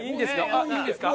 あっいいんですか。